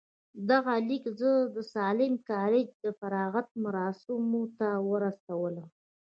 دغه ليک زه د ساليم کالج د فراغت مراسمو ته ورسولم.